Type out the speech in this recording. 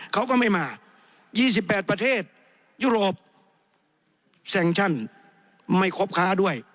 เขาก็ไม่มา๒๘ประเทศยุโรปแซงชั่นไม่ครบค้าด้วย